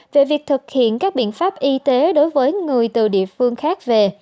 về việc thực hiện các biện pháp y tế đối với người từ địa phương khác về